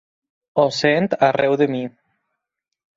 Ho sento arreu de mi!